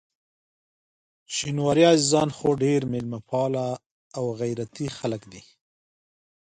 شینواري عزیزان خو ډېر میلمه پال او غیرتي خلک دي.